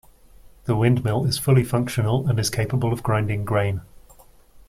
The windmill is fully functional, and is capable of grinding grain.